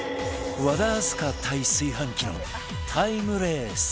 和田明日香対炊飯器のタイムレース